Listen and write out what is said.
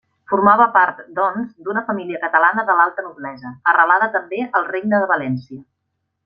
Formava part, doncs, d'una família catalana de l'alta noblesa, arrelada també al Regne de València.